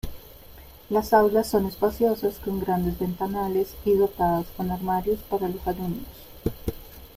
Las aulas son espaciosas, con grandes ventanales y dotadas con armarios para los alumnos.